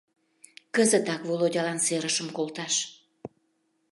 Кызытак Володялан серышым колташ...»